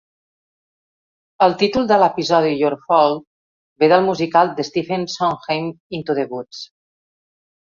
El títol de l'episodi "Your Fault" ve del musical de Stephen Sondheim, "Into the Woods".